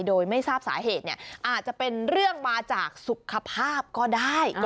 โดยไม่ทราบสาเหตุอาจจะเป็นเรื่องมาจากสุขภาพก็ได้